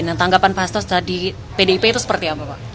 dan tanggapan fasta di pdip itu seperti apa pak